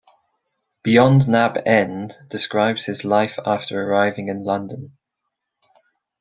"Beyond Nab End" describes his life after arriving in London.